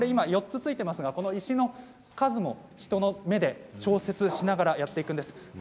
４つついていますが石の数も人の目で調節しながらやっていくんです。